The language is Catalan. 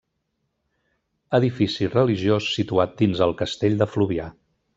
Edifici religiós situat dins el castell de Fluvià.